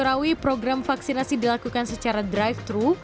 di surawi program vaksinasi dilakukan secara drive thru